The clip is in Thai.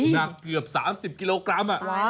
หนักเกือบ๓๐กิโลกรัม